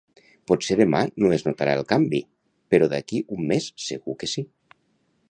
Potser demà no es notarà el canvi, però d'aquí un mes segur que sí.